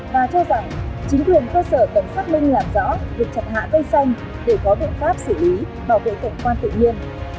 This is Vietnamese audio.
và cho rằng chính quyền cơ sở cần xác minh làm rõ việc chặt hạ cây xanh để có biện pháp xử lý bảo vệ cảnh quan tự nhiên